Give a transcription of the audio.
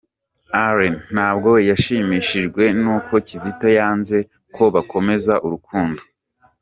Allen Ntabwo yashimishijwe n’uko Kizito yanze ko bakomeza urukundo